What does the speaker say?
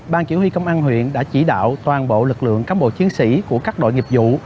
ban chỉ huy công an huyện đã chỉ đạo toàn bộ lực lượng cám bộ chiến sĩ của các đội nghiệp vụ